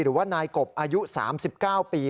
หรือว่านายกบอายุ๓๙ปี